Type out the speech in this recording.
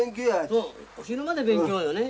そう死ぬまで勉強よね。